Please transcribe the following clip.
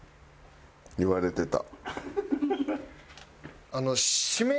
言われてた。